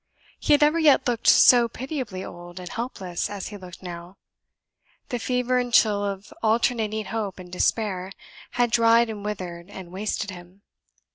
He had never yet looked so pitiably old and helpless as he looked now. The fever and chill of alternating hope and despair had dried, and withered, and wasted him.